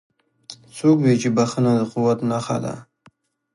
څوک وایي چې بښنه د قوت نښه ده